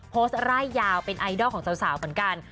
ร่ายยาวเป็นไอดอลของสาวเหมือนกัน